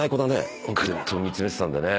くっと見つめてたんでね。